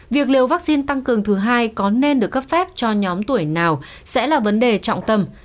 việc liều vaccine tăng cường thứ hai có nên được cấp phép cho nhóm tuổi nào sẽ là vấn đề trọng tâm